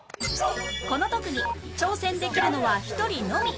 この特技挑戦できるのは１人のみ